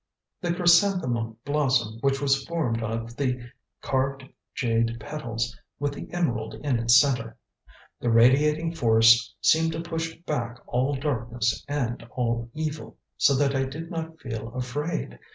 "The chrysanthemum blossom which was formed of the carved jade petals, with the emerald in its centre. The radiating force seemed to push back all darkness and all evil, so that I did not feel afraid.